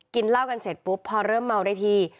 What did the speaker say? เหล้ากันเสร็จปุ๊บพอเริ่มเมาได้ที